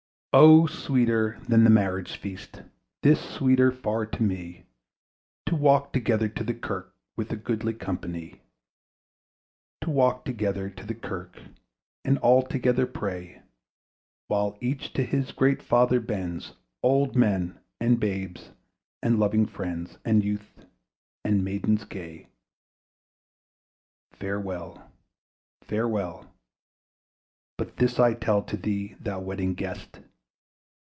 O sweeter than the marriage feast, 'Tis sweeter far to me, To walk together to the kirk With a goodly company! To walk together to the kirk, And all together pray, While each to his great Father bends, Old men, and babes, and loving friends, And youths and maidens gay! Farewell, farewell! but this I tell To thee, thou Wedding Guest!